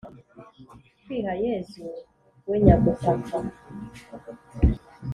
kwiha yezu we nyagutaka